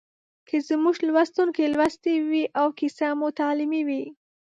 که زموږ لوستونکي لوستې وي او کیسه مو تعلیمي وي